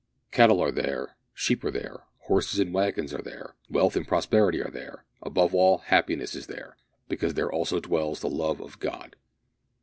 Cattle are there, sheep are there, horses and wagons are there, wealth and prosperity are there, above all happiness is there, because there also dwells the love of God.